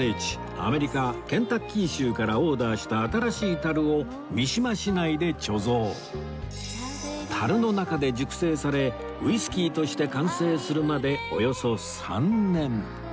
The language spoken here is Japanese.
アメリカケンタッキー州からオーダーした新しい樽を三島市内で貯蔵樽の中で熟成されウイスキーとして完成するまでおよそ３年